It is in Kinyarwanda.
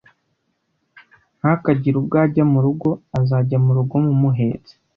ntakagire ubwo ajya mu rugo azajya mu rugo mumuhetse